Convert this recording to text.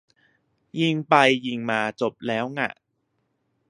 ยิงไปยิงมาจบแล้วง่ะ